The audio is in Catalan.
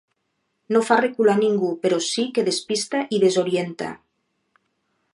No fa recular ningú, però sí que despista i desorienta.